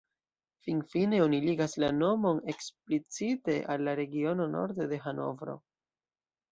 Finfine oni ligas la nomon eksplicite al la regiono norde de Hanovro.